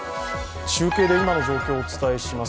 中継で今の状況をお伝えします。